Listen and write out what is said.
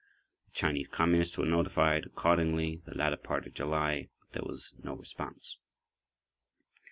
The Chinese Communists were notified accordingly the latter part of July, but there was no response.